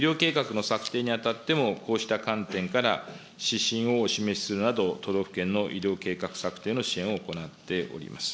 医療計画の策定に当たってもこうした観点から指針をお示しするなど、都道府県の医療計画策定の支援を行っております。